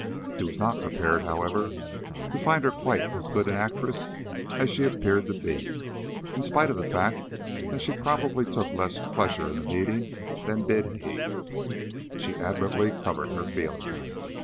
He was not prepared, however, to find her quite as good an actress as she appeared to be. In spite of the fact that she probably took less pleasure in the meeting than did he, she admirably covered her feelings.